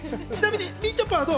ちなみにみちょぱはどう？